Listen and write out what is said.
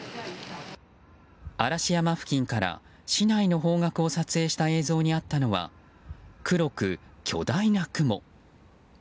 嵐山付近から市内の方角を撮影した映像にあったのは黒く巨大な雲。